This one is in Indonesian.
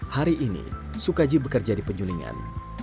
hari ini sukaji bekerja di penyulingan